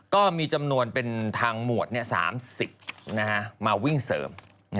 ก็มีจำนวนเป็นทางหมวด๓๐มาวิ่งเสริม